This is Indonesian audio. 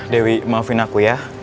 dewi maafin aku yang